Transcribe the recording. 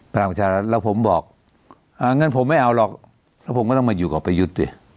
พลังประชารัฐแล้วผมบอกอ่างั้นผมไม่เอาหรอกแล้วผมก็ต้องมาอยู่กับประยุทธ์ดิ